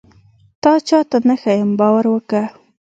تا چاته نه ښيم باور وکه.